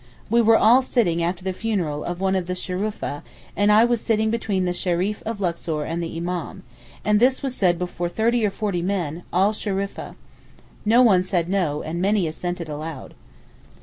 We were all sitting after the funeral of one of the Shurafa and I was sitting between the Shereef of Luxor and the Imám—and this was said before thirty or forty men, all Shurafa. No one said 'No,' and many assented aloud.